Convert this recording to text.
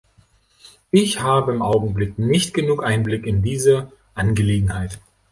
Ich habe im Augenblick nicht genug Einblick in diese Angelegenheit.